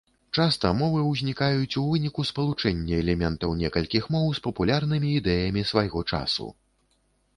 Часта мовы узнікаюць у выніку спалучэння элементаў некалькіх моў з папулярнымі ідэямі свайго часу.